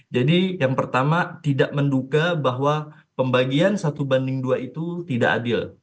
jadi yang pertama tidak menduga bahwa pembagian satu banding dua itu tidak adil